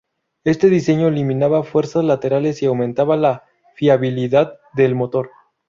Este diseño eliminaba fuerzas laterales y aumentaba la fiabilidad del motor.